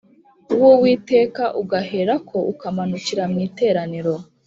w Uwiteka ugaherako ukamanukira mu iteraniro